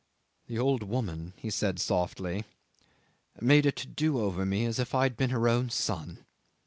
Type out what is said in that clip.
"The old woman," he said softly, "made a to do over me as if I had been her own son.